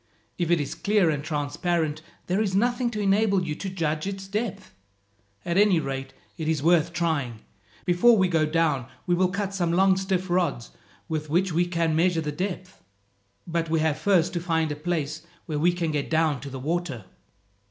If it is clear and transparent, there is nothing to enable you to judge its depth. At any rate it is worth trying. Before we go down, we will cut some long stiff rods with which we can measure the depth. But we have first to find a place where we can get down to the water."